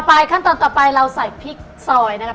ไปขั้นตอนต่อไปเราใส่พริกซอยนะครับ